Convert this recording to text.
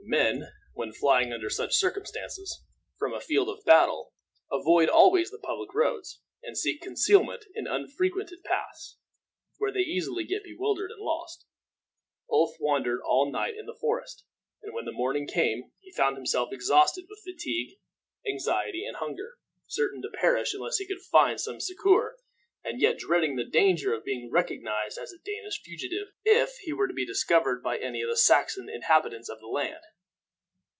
Men, when flying under such circumstances from a field of battle, avoid always the public roads, and seek concealment in unfrequented paths, where, they easily get bewildered and lost. Ulf wandered about all night in the forest, and when the morning came he found himself exhausted with fatigue, anxiety, and hunger, certain to perish unless he could find some succor, and yet dreading the danger of being recognized as a Danish fugitive if he were to be discovered by any of the Saxon inhabitants of the land.